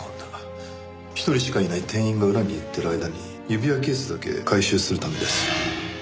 １人しかいない店員が裏に行ってる間に指輪ケースだけ回収するためです。